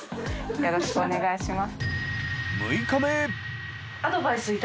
よろしくお願いします。